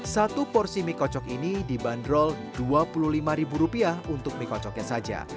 satu porsi mie kocok ini dibanderol dua puluh lima untuk mie kocoknya saja